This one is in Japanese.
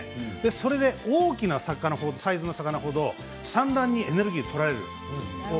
それで大きなサイズの魚程産卵にエネルギーを取られる。